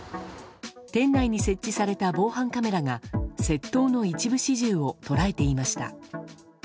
店内に設置された防犯カメラが窃盗の一部始終を捉えていました。